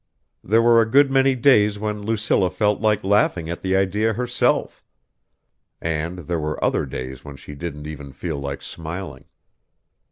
There were a good many days when Lucilla felt like laughing at the idea herself. And there were other days when she didn't even feel like smiling.